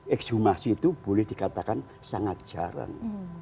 ekshumasi itu boleh dikatakan sangat jarang